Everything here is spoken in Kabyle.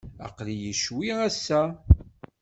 Aql-iyi ccwi, ass-a.